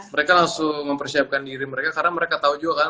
mereka langsung mempersiapkan diri mereka karena mereka tahu juga kan